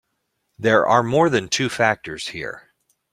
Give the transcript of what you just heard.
There are more than two factors here.